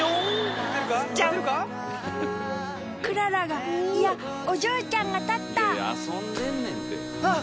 クララがいやおジョーちゃんが立った！